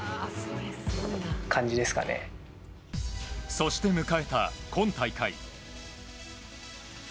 そして迎えた今大会。